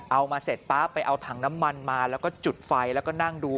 เอามาเสร็จป๊าบไปเอาถังน้ำมันมาแล้วก็จุดไฟแล้วก็นั่งดู